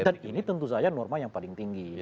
dan ini tentu saja norma yang paling tinggi